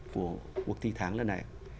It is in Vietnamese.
của cuộc thi tháng lần này